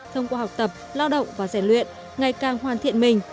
thông qua học tập lao động và giải luyện ngày càng hoàn thiện mình